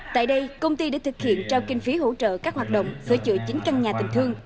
tại đây công ty đã thực hiện trao kinh phí hỗ trợ các hoạt động giữa chữ chính căn nhà tình thương